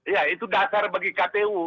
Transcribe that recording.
ya itu dasar bagi kpu